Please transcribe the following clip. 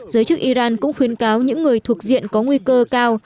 giới chức iran cũng khuyến cáo những người thuộc diện có nguy cơ cao